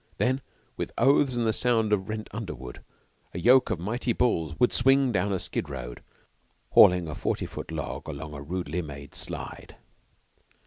Then, with oaths and the sound of rent underwood, a yoke of mighty bulls would swing down a "skid" road, hauling a forty foot log along a rudely made slide.